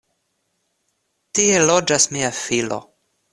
Tie loĝas mia filo.